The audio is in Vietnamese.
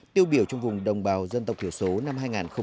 tiêu biểu trong vùng đồng bào dân tộc thiểu số năm hai nghìn một mươi sáu